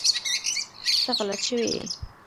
ته غلط شوی ېي